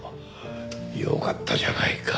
よかったじゃないか。